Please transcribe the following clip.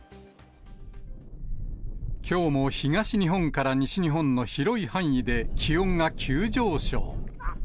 きょうも東日本から西日本の広い範囲で、気温が急上昇。